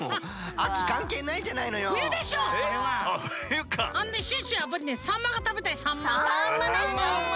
あのねシュッシュはやっぱりサンマがたべたいサンマ。